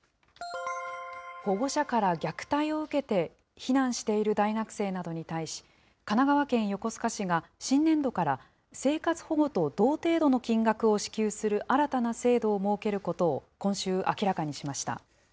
保護者から虐待を受けて避難している大学生などに対し、神奈川県横須賀市が、新年度から、生活保護と同程度の金額を支給する新たな制度を設けることを、今週、明らかにしました。